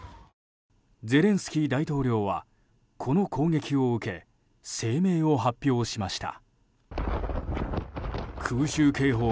ゼレンスキー大統領はこの攻撃を受け声明を発表しました。